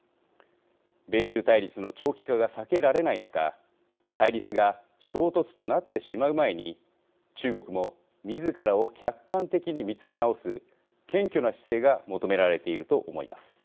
米中対立の長期化が避けられない中対立が衝突となってしまう前に中国もみずからを客観的に見つめ直す謙虚な姿勢が求められていると思います。